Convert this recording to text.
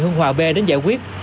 hương hòa b đến giải quyết